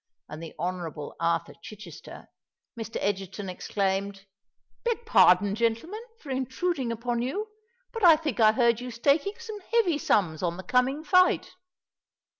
and the Honourable Arthur Chichester, Mr. Egerton exclaimed, "Beg pardon, gentlemen, for intruding upon you; but I think I heard you staking some heavy sums on the coming fight?"